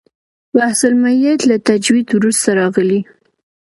بحث المیت له تجوید وروسته راغلی.